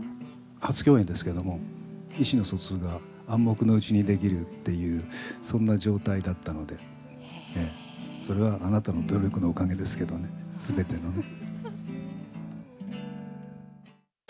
初共演ですけれども、意思の疎通が暗黙のうちにできるっていう、そんな状態だったので、それはあなたの努力のおかげですけどね、すべてのね。